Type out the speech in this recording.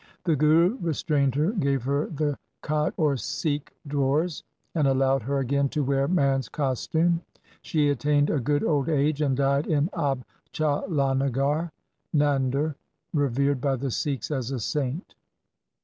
The Guru restrained her, gave her the kachh or Sikh drawers, and allowed her again to wear man's costume. She attained a good old age, and died in Abchalanagar (Nander) revered by the Sikhs as a saint.